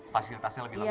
fasilitasnya lebih lengkap